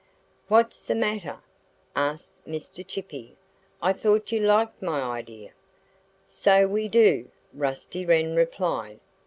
"What's the matter?" asked Mr. Chippy! "I thought you liked my idea." "So we do!" Rusty Wren replied.